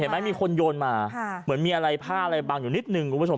มีคนโยนมาเหมือนมีอะไรผ้าอะไรบังอยู่นิดนึงคุณผู้ชม